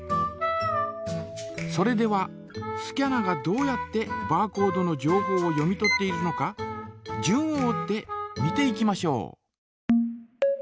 それではスキャナがどうやってバーコードの情報を読み取っているのか順を追って見ていきましょう。